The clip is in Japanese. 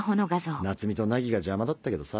夏美と凪が邪魔だったけどさ。